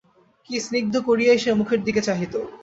কী স্নিগ্ধ করিয়াই সে মুখের দিকে চাহিত।